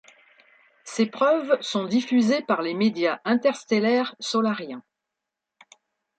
Ces preuves sont diffusées par les médias interstellaires solariens.